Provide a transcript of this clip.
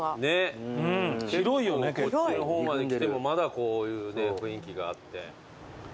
こっちの方まで来てもまだこういう雰囲気があって。